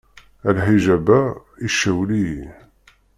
A lḥijab-a i cewwel-iyi.